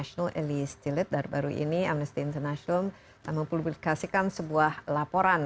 saya mau publikasikan sebuah laporan